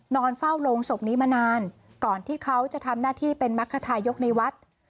นอนเฝ้าโรงศพนี้มานานก่อนที่เขาจะทำหน้าที่เป็นมรรคทายกในวัด